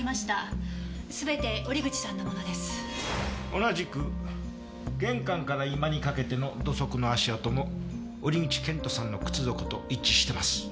同じく玄関から居間にかけての土足の足跡も折口謙人さんの靴底と一致してます。